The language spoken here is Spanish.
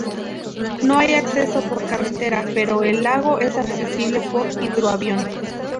No hay acceso por carretera, pero el lago es accesible por hidroavión.